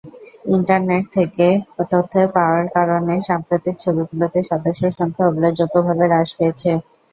Internet থেকে তথ্যের পাওয়ার কারণে সাম্প্রতিক বছরগুলিতে সদস্যসংখ্যা উল্লেখযোগ্যভাবে হ্রাস পেয়েছে।